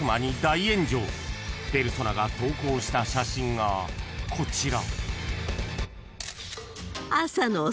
［ペルソナが投稿した写真がこちら］